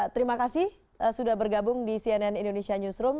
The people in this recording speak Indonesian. terima kasih sudah bergabung di cnn indonesia newsroom